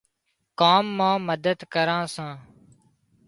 ڪام مان مدد ڪران سان